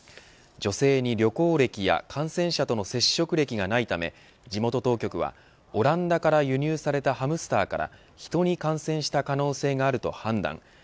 女性に旅行歴や感染者との接触歴がないため地元当局はオランダから輸入されたハムスターからヒトに感染した可能性があると判断。